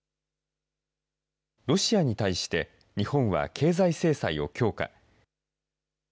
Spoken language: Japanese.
ロシアに対して日本は経済制裁を強化。